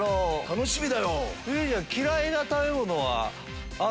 楽しみだよ！